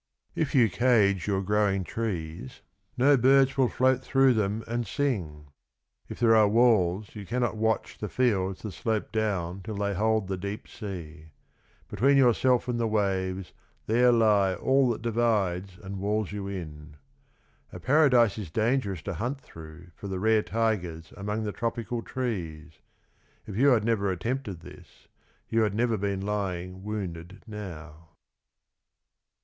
If you cage your growing trees, 35 no birds will float through them and sing; if there are walls, you cannot watch the fields that slope down till they hold the deep sea. Between yourself and the waves there lie all that divides and walls you in. A Paradise is dangerous to hunt through for the rare tigers among the tropical trees ; if you had never attempted this, you had never been lying wounded now.